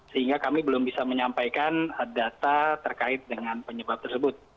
sehingga kami belum bisa menyampaikan data terkait dengan penyebab tersebut